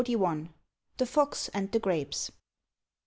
THE FOX AND THE GRAPES.